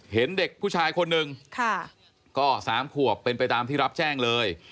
เห็นเด็กผู้ชายคนหนึ่งก็๓ขวบเป็นไปตามที่รับแจ้งเลย